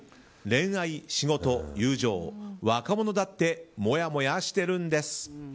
恋愛・仕事・友情若者だってもやもやしてるんです。